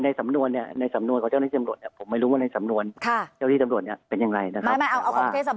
สำนวนเนี่ยในสำนวนของเจ้าหน้าที่ตำรวจเนี่ยผมไม่รู้ว่าในสำนวนเจ้าที่ตำรวจเนี่ยเป็นอย่างไรนะครับ